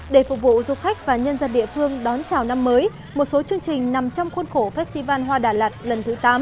để phục vụ du khách và nhân dân địa phương đón chào năm mới một số chương trình nằm trong khuôn khổ festival hoa đà lạt lần thứ tám